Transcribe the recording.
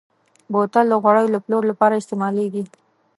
بوتل د غوړیو د پلور لپاره استعمالېږي.